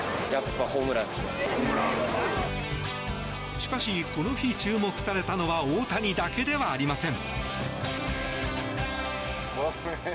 しかし、この日注目されたのは大谷だけではありません。